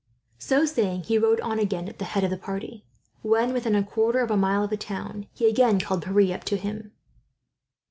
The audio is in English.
So saying, he rode on again at the head of the party. When within a quarter of a mile of the town, he again called Pierre up to him.